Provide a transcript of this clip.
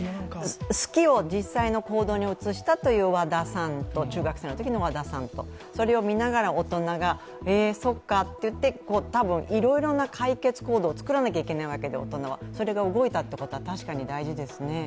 好きを実際の行動に移したという中学生のときの和田さんとそれを見ながら大人が大人が、へえ、そっかと言っていろいろな解決行動を作らなきゃいけないわけです、大人は、それを動いたというのは確かに大事ですね。